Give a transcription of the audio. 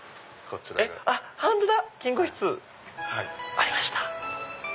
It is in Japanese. ありました。